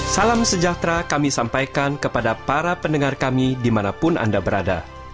salam sejahtera kami sampaikan kepada para pendengar kami dimanapun anda berada